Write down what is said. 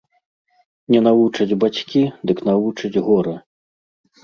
Не навучаць бацькі, дык навучыць гора